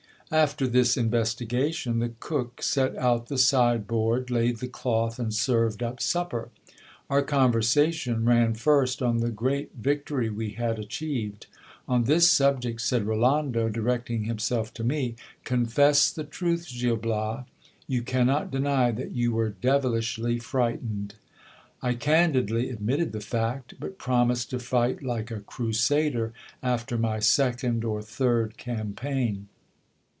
After this investigation, the cook set out the side board, laid the cloth, and served up supper. Our conversation ran first on the great victory we had achieved. On this subject said Rolando, directing himself to me, Confess the truth, Gil Bias : you cannot deny that you were devilishly frightened. I candidly admitted the fact ; but promised to fight like a crusader after my second or third campaign.